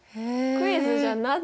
クイズじゃない。